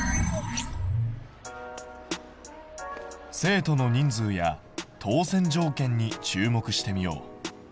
生徒の人数や当選条件に注目してみよう。